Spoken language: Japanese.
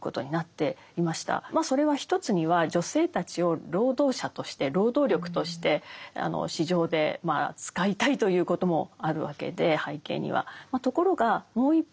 それは一つには女性たちを労働者として労働力として市場で使いたいということもあるわけで背景には。